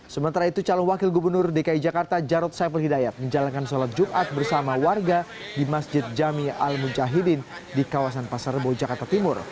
sementara itu calon wakil gubernur dki jakarta jarod saiful hidayat menjalankan sholat jumat bersama warga di masjid jami al mujahidin di kawasan pasar rebo jakarta timur